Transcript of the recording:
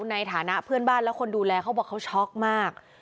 ในฐานะเพื่อนบ้านและคนดูแลเขาบอกเขาช็อกมาก